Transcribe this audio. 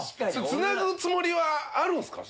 つなぐつもりはあるんですか？